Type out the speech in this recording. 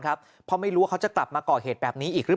เพราะไม่รู้ว่าเขาจะกลับมาก่อเหตุแบบนี้อีกหรือเปล่า